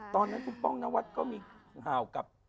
ตอนนั้นคุณป้องนวัดก็มีข่าวกับ